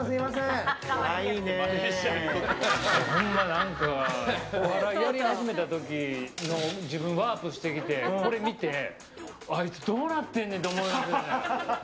何かお笑いやり始めた時の自分、ワープしてきてこれを見てあいつ、どうなってんねんって思うんじゃ。